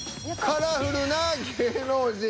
「カラフルな芸能人」。